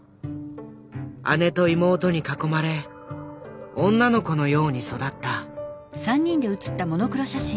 姉と妹に囲まれ女の子のように育った。